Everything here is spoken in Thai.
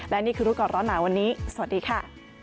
และนี่คือรู้ก่อนร้อนหนาวันนี้สวัสดีค่ะ